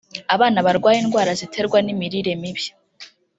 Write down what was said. abana barwaye indwara ziterwa n’imirire mibi